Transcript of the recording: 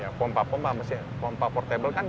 ya pompa pompa pompa portable kan